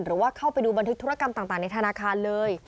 หรือว่าเข้าไปดูบันทึกธุรกรรมต่างในธนาคารเลย